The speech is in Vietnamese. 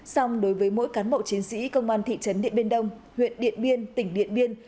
xong đối với mỗi cán bộ chiến sĩ công an thị trấn điện biên đông huyện điện biên tỉnh điện biên